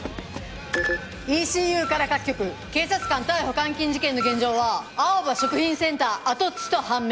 ＥＣＵから各局警察官逮捕監禁事件の現場は青葉食品センター跡地と判明。